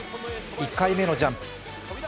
１回目のジャンプ。